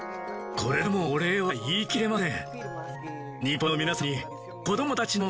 これでもお礼は言いきれません。